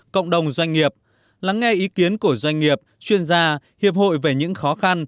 cộng đồng doanh nghiệp lắng nghe ý kiến của doanh nghiệp chuyên gia hiệp hội về những khó khăn